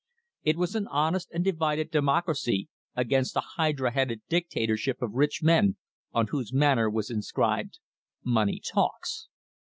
It was an honest and divided Democracy against a hydra headed dictatorship of rich men on whose banner was inscribed 'Money Talks.'"